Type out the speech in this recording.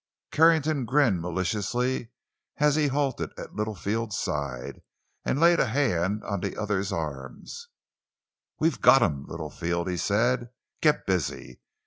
Carrington grinned maliciously as he halted at Littlefield's side and laid a hand on the other's arm. "We've got him, Littlefield!" he said. "Get busy.